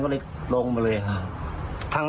ก็เลยลงมาเลยครับ